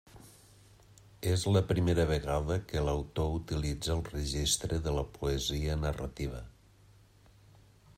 És la primera vegada que l'autor utilitza el registre de la poesia narrativa.